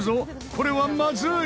これはまずい！